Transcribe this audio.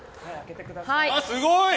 すごい！